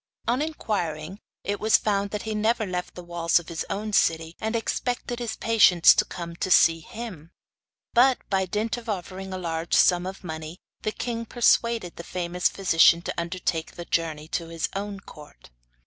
On inquiring, it was found that he never left the walls of his own city, and expected his patients to come to see him; but, by dint of offering a large sum of money, the king persuaded the famous physician to undertake the journey to his own court.